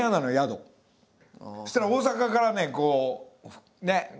そしたら大阪からねこうねっ。